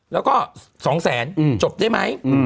แล้วก็๒แสนจบได้ไหม